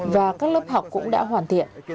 và các lớp học cũng đã hoàn thiện